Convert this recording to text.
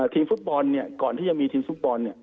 ทีมฟุตบอลเนี่ยก่อนที่จะมีทีมฟุตบอลเนี่ย